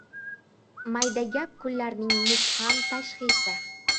Maydagap kunlarning mubham tashxisi.